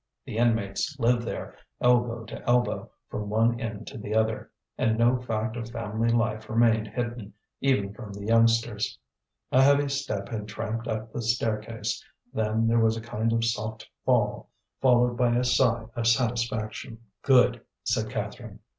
The inmates lived there, elbow to elbow, from one end to the other; and no fact of family life remained hidden, even from the youngsters. A heavy step had tramped up the staircase; then there was a kind of soft fall, followed by a sigh of satisfaction. "Good!" said Catherine.